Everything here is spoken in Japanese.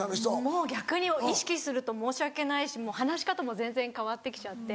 もう逆に意識すると申し訳ないし話し方も全然変わってきちゃって。